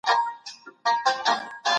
سازمانونه د مظلومانو د دفاع لپاره څه لیکي؟